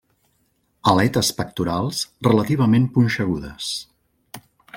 Aletes pectorals relativament punxegudes.